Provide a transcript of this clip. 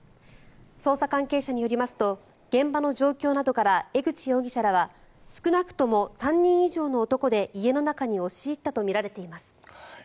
捜査関係者によりますと現場の状況などから江口容疑者らは少なくとも３人以上の男で家の中に押し入ったとみられています。